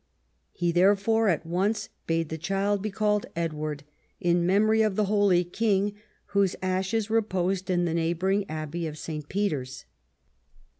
He therefore at once bade the child be called EdAvard, in memory of the holy king whose ashes reposed in the neighbouring abbey of St. Peter's.